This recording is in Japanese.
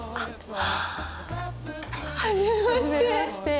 はじめまして。